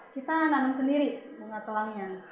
kita nanam sendiri bunga telangnya